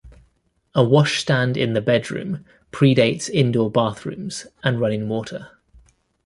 A washstand in the bedroom pre-dates indoor bathrooms and running water.